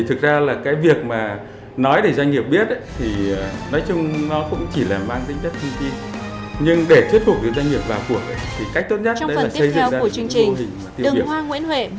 trong phần tiếp theo của chương trình đường hoa nguyễn huệ mở thêm một ngành